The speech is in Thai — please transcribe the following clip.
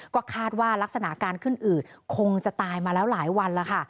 ก็คาดว่าลักษณะการขึ้นอืดคงจะตายมาแล้วหลายวันแล้วค่ะ